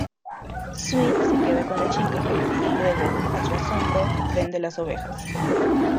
Sweet se queda con la chica, y luego, a su asombro, vende las ovejas.